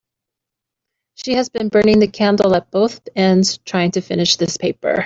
She has been burning the candle at both ends trying to finish this paper.